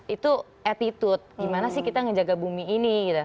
itu attitude gimana sih kita ngejaga bumi ini